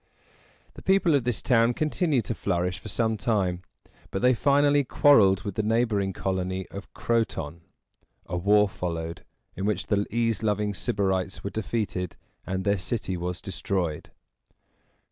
The people of this town continued to flourish for some time, but they finally quarreled with the neighboring colony of Croton. A war followed, in which the ease loving Sybarites were defeated and their city was destroyed.